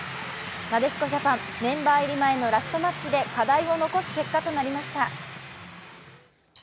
なでしこジャパン、メンバー入り前のラストマッチで課題を残す結果となりました。